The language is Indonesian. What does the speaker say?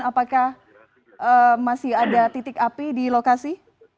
apakah masih ada titik api di lokasi